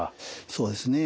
そうですね。